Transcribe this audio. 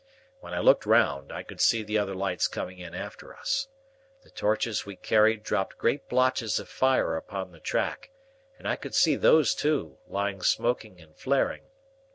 When I looked round, I could see the other lights coming in after us. The torches we carried dropped great blotches of fire upon the track, and I could see those, too, lying smoking and flaring.